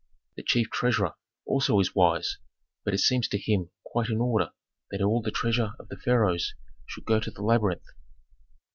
"The chief treasurer also is wise, but it seems to him quite in order that all the treasure of the pharaohs should go to the labyrinth.